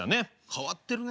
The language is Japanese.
変わってるね。